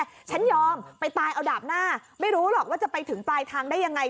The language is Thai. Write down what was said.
ฉันยอมไปตายเอาดาบหน้าไม่รู้หรอกว่าจะไปถึงปลายทางได้ยังไง